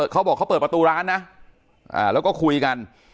เขาบอกเขาเปิดประตูร้านนะแล้วก็คุยกัน